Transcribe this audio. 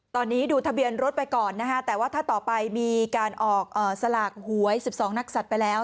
ตอนนี้ดูทะเบียนรถไปก่อนนะฮะแต่ว่าถ้าต่อไปมีการออกสลากหวย๑๒นักศัตว์ไปแล้ว